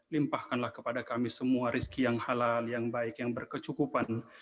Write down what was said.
limpahkanlah kepada kami semua rizki yang halal yang baik yang berkecukupan